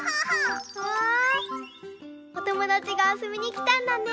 うわおともだちがあそびにきたんだね。